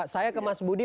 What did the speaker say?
saya ke mas budi